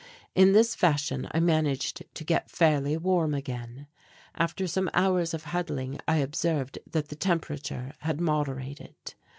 In this fashion I managed to get fairly warm again. After some hours of huddling I observed that the temperature had moderated.